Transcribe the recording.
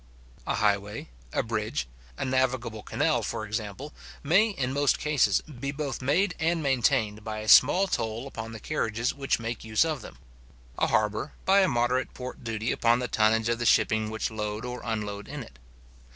A highway, a bridge, a navigable canal, for example, may, in most cases, be both made add maintained by a small toll upon the carriages which make use of them; a harbour, by a moderate port duty upon the tonnage of the shipping which load or unload in it.